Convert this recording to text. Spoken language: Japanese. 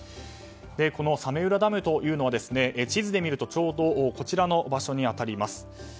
この早明浦ダムは地図で見るとちょうどこちらの場所に当たります。